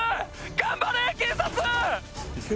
頑張れ警察！